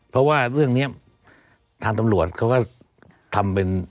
เพราะว่าเรื่องนี้ทางตำรวจเขาก็ทำเป็น